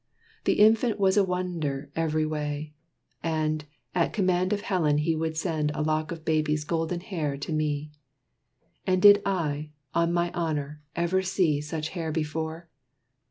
The infant was a wonder, every way. And, at command of Helen he would send A lock of baby's golden hair to me. And did I, on my honor, ever see Such hair before?